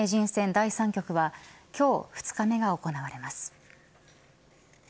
第３局は今日２日目が行われます。